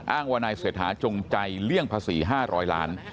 อ้างว่านายเสียท้าจงใจเลี่ยงภาษีห้าร้อยล้าน